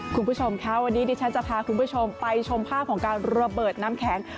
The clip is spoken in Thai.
คุณผู้ชมค่ะวันนี้ดิฉันจะพาคุณผู้ชมไปชมภาพของการระเบิดน้ำแข็ง